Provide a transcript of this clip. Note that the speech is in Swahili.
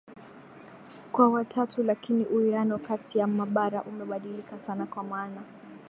kwa watatu lakini uwiano kati ya mabara umebadilika sana kwa maana